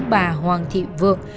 bà hoàng thị vượng